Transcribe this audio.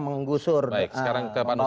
menggusur baik sekarang ke pak nur